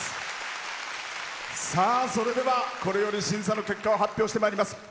それでは、これより審査の結果を発表してまいります。